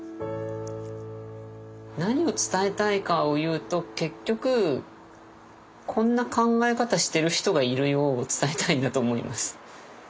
何を伝えたいかを言うと結局「こんな考え方してる人がいるよ」を伝えたいんだと思います。